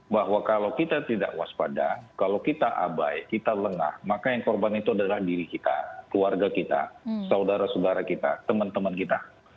bahwa kalau kita tidak waspada kalau kita abai kita lengah maka yang korban itu adalah diri kita keluarga kita saudara saudara kita teman teman kita